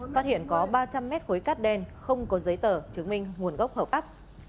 phát hiện có ba trăm linh mét khối cát đen không có giấy tờ chứng minh nguồn gốc hợp pháp